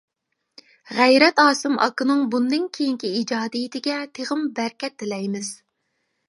غەيرەت ئاسىم ئاكىنىڭ بۇندىن كېيىنكى ئىجادىيىتىگە تېخىمۇ بەرىكەت تىلەيمىز.